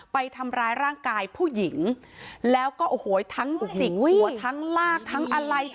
ไปทำร้ายร่างกายผู้หญิงแล้วก็โอ้โหทั้งจิกหัวทั้งลากทั้งอะไร